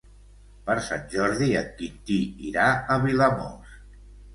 Per Sant Jordi en Quintí irà a Vilamòs.